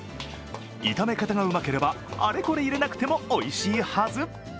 炒め方がうまければあれこれ入れなくてもおいしいはず。